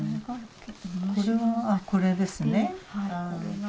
これはあっこれですね。